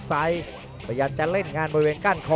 ซ้ายประหยัดจะเล่นงานบริเวณก้านคอ